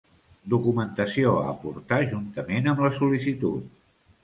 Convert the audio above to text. Documentació a aportar juntament amb la sol·licitud.